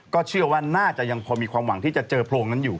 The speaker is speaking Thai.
เชื่อว่าน่าจะยังพอมีความหวังที่จะเจอโพรงนั้นอยู่